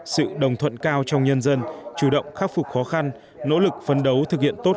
sự đồng thuận cao trong nhân dân chủ động khắc phục khó khăn nỗ lực phấn đấu thực hiện tốt